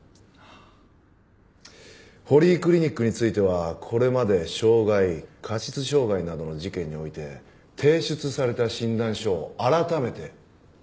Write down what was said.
堀井クリニックについてはこれまで傷害過失傷害などの事件において提出された診断書を改めて調べ直しているところです。